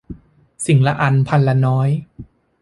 สิ่งละอันพันละน้อย